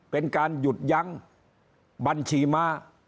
เป็นการหยุดยั้งบัญชีม้า